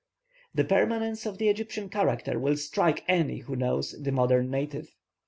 The permanence of the Egyptian character will strike any one who knows the modern native.